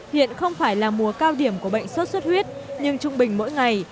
hiện không phải là mùa cao điểm của bệnh suốt suốt huyết nhưng trung bình mỗi ngày